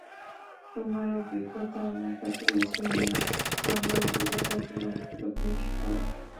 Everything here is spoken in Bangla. তোমার অভিজ্ঞতা আমার কাছে কিছুই নয়, আমার অভিজ্ঞতাও তোমর নিকট নিষ্ফল।